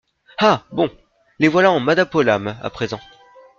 Ah ! bon ! les voilà en madapolam, à présent.